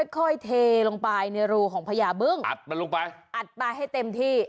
ค่อยเทลงไปในรูของพญาบึ้งอัดมันลงไปอัดไปให้เต็มที่